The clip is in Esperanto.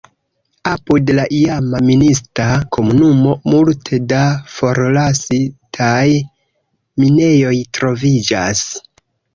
Apud la iama minista komunumo multe da forlasitaj minejoj troviĝas.